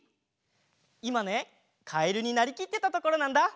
いまねかえるになりきってたところなんだ。